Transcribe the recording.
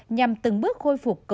nhằm từng bước khôi phục cầu nội địa